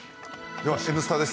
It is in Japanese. では「Ｎスタ」です。